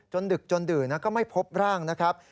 ดึกจนดื่นก็ไม่พบร่างนะครับ